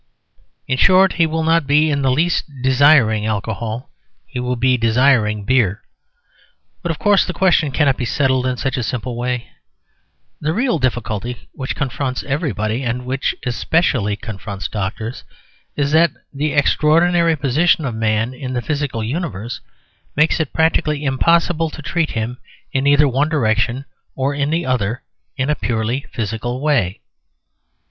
In short, he will not be in the least desiring alcohol; he will be desiring beer. But, of course, the question cannot be settled in such a simple way. The real difficulty which confronts everybody, and which especially confronts doctors, is that the extraordinary position of man in the physical universe makes it practically impossible to treat him in either one direction or the other in a purely physical way.